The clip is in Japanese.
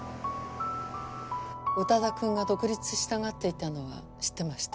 宇多田くんが独立したがっていたのは知ってました。